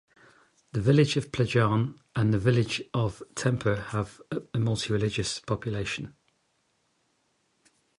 The village of Plajan and The village of Tempur has a multi-religious population.